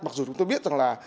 mặc dù chúng tôi biết rằng là